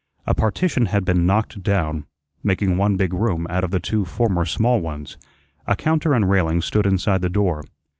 A partition had been knocked down, making one big room out of the two former small ones. A counter and railing stood inside the door.